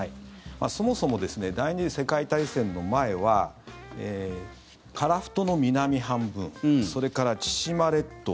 そもそも第２次世界大戦の前は樺太の南半分それから、千島列島